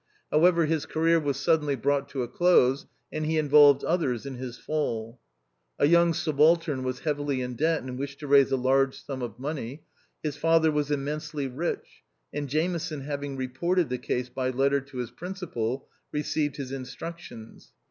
However, his career was suddenly brought to a close, and he involved others in his fall. A young subaltern was heavily in debt, and wished to raise a large sum of money. His father was immensely rich, and Jameson having reported the case by letter to his principal, received his instructions.